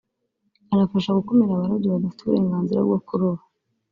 anafasha gukumira abarobyi badafite uburenganzira bwo kuroba